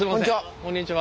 こんにちは。